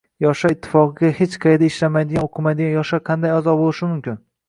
yoshlar ittifoqiga hech qayerda ishlamaydigan o‘qimaydigan yoshlar qanday a'zo bo'lishi mumkin?